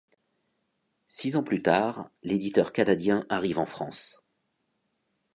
Six ans plus tard, l'éditeur canadien arrive en France.